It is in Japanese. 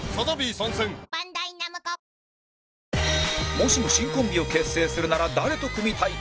もしも新コンビを結成するなら誰と組みたいか？